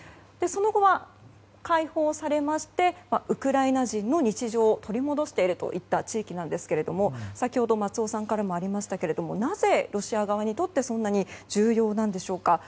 その後は、解放されましてウクライナ人の日常を取り戻しているといった地域なんですけれども先ほど松尾さんからもありましたがなぜロシア側にとってそんなに重要なんでしょうか。